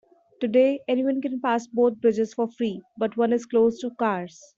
Today, anyone can pass both bridges for free, but one is closed to cars.